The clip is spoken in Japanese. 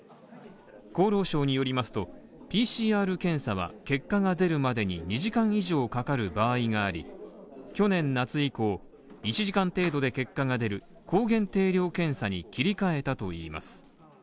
厚労省によりますと、ＰＣＲ検査は結果が出るまでに２時間以上かかる場合があり去年夏以降、一時間程度で結果が出る抗原定量検査に切り替えたといいます。